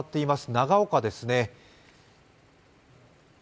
長岡ですね。